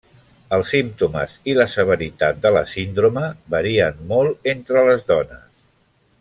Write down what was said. Els símptomes i la severitat de la síndrome varien molt entre les dones.